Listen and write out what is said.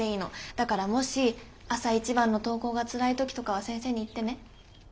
だからもし朝一番の登校がつらい時とかは先生に言ってね。